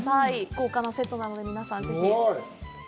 豪華なセットなので、皆さん、ぜひ。